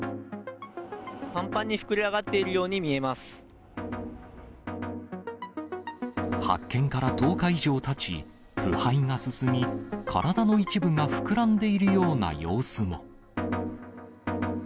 ぱんぱんに膨れ上がっている発見から１０日以上たち、腐敗が進み、体の一部が膨らんでいるような様子も。